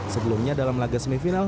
sebelumnya dalam laga semifinal